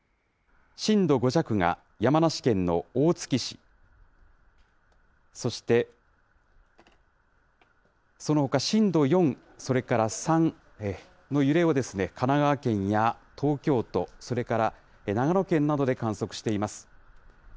震度５弱が山梨県の大月市、そしてそのほか震度４、それから３の揺れを神奈川県や東京都、それから長野県などで観測しています。